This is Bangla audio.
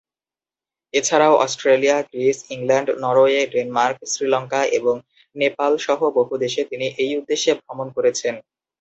এছাড়াও Australia, Greece, England, Norway, Denmark, Sri Lanka এবং নেপাল সহ বহু দেশে তিনি এই উদ্দেশ্যে ভ্রমণ করেছেন।